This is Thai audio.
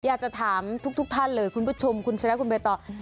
อยากจะถามทุกท่านเลยคุณผู้ชมคุณเฉลี่ยคุณเบตต่อ